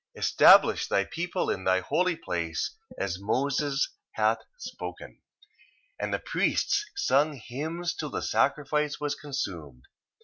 1:29. Establish thy people in thy holy place, as Moses hath spoken. 1:30. And the priests sung hymns till the sacrifice was consumed.